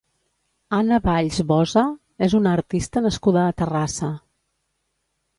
Anna Valls Boza és una artista nascuda a Terrassa.